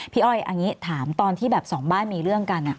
อ้อยอันนี้ถามตอนที่แบบสองบ้านมีเรื่องกัน